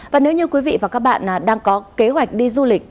và nếu như quý vị và các bạn đang có kế hoạch đi du lịch